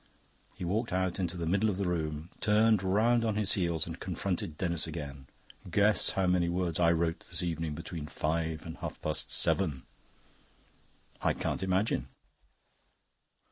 He walked out into the middle of the room, turned round on his heels, and confronted Denis again. "Guess how many words I wrote this evening between five and half past seven." "I can't imagine."